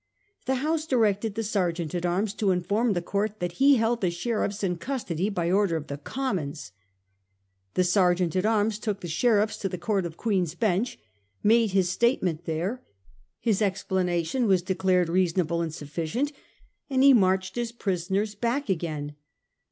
The House directed the sergeant at arms to inform the court that he held the sheriffs in custody by order of the Commons. The sergeant at arms took the sheriffs to the Court of Queen's Bench, and made his statement there ; his explanation was declared reasonable and sufficient, and he marched his prisoners back again.